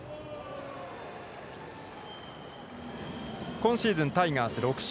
今シーズン、タイガース６勝。